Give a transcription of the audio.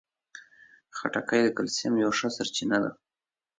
خټکی د کلسیم یوه ښه سرچینه ده.